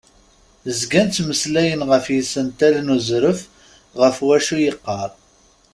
Zgan ttmeslayen ɣef yisental n uẓref ɣef wacu i yeqqar.